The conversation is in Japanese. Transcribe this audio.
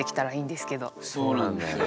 そうなんだよね。